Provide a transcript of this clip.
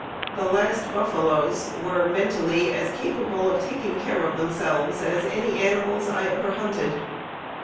The last buffaloes were mentally as capable of taking care of themselves as any animals I ever hunted.